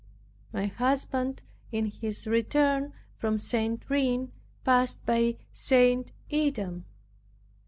My husband, in his return from St. Reine, passed by St. Edm.